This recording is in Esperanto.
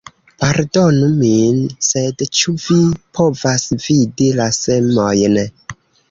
Pardonu min, sed, ĉu vi povas vidi la semojn?